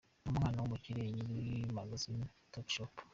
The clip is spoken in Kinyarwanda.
Ni umwana w’umukire nyiri magasins Topshop.